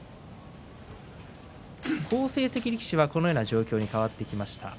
好成績力士は、このような状況に変わってきました。